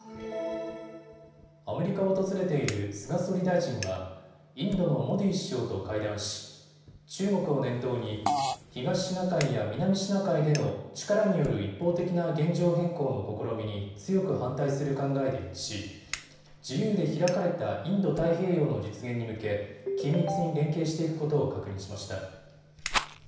アメリカを訪れている菅総理大臣はインドのモディ首相と会談し中国を念頭に東シナ海や南シナ海での力による一方的な現状変更の試みに強く反対する考えで一致し、自由で開かれたインド太平洋の実現に向け緊密に連携していくことを確認しました。